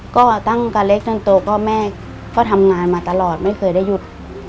ก็ตั้งแต่เล็กจนโตก็แม่ก็ทำงานมาตลอดไม่เคยได้หยุด